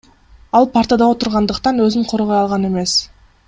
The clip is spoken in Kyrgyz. Ал партада отургандыктан өзүн коргой алган эмес.